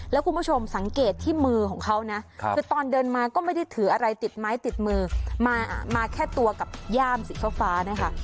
แล้วคุณผู้ชมสังเกตที่มือของเขานะคือตอนเดินมาก็ไม่ได้ถืออะไรติดไม้ติดมือมาแค่ตัวกับย่ามสีฟ้านะคะ